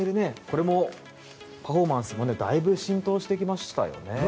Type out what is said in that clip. これもパフォーマンスもだいぶ浸透してきましたよね。